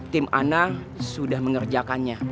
tim ana sudah mengerjakannya